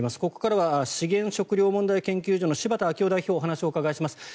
ここからは資源・食糧問題研究所の柴田明夫代表にお話をお伺いします。